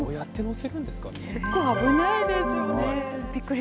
結構危ないですよね。